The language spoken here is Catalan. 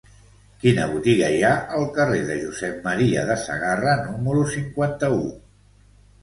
Quina botiga hi ha al carrer de Josep M. de Sagarra número cinquanta-u?